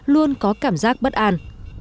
luôn có cảm giác bất an